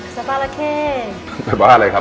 สวัสดีค่ะ